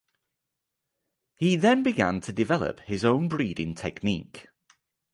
He then began to develop his own breeding technique.